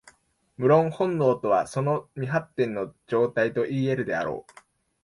無論、本能とはその未発展の状態といい得るであろう。